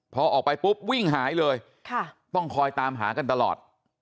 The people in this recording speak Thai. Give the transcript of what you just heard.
พอออกไปปุ๊บวิ่งหายเลยต้องคอยตามหากันตลอด